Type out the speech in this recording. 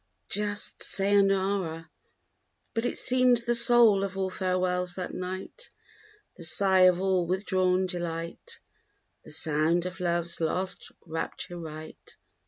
Just sayonara: but it seemed The soul of all farewells that night, The sigh of all withdrawn delight, The sound of love's last rapture rite.